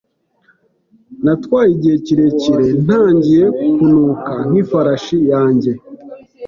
Natwaye igihe kirekire ntangiye kunuka nk'ifarashi yanjye.